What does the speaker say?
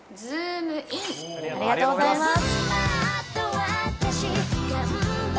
ありがとうございます。